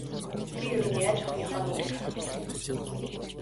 Би ер нь яаж охиныхоо нүүрийг харах билээ.